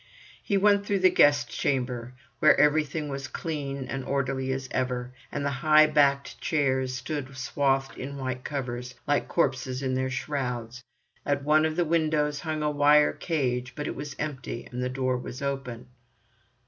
He went through the guest chamber, where everything was clean and orderly as ever, and the high backed chairs stood swathed in white covers, like corpses in their shrouds. At one of the windows hung a wire cage, but it was empty and the door was open.